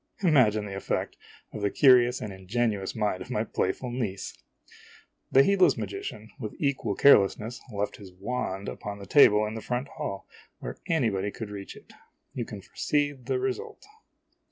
Imagine the effect upon the curious and ingenuous mind of my playful niece ! The heedless magician, with equal carelessness, left his wand upon the table in the front hall, where anybody could reach it. You can foresee the result.